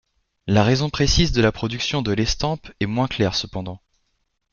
La raison précise de la production de l'estampe est moins claire cependant.